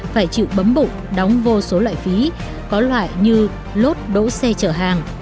phải chịu bấm bụng đóng vô số loại phí có loại như lốt đỗ xe chở hàng